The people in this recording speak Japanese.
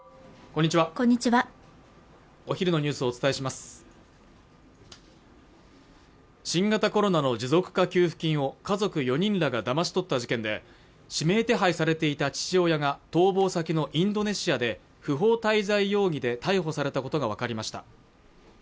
こんにちはお昼のニュースをお伝えします新型コロナの持続化給付金を家族４人らがだまし取った事件で指名手配されていた父親が逃亡先のインドネシアで不法滞在容疑で逮捕されたことが分かりました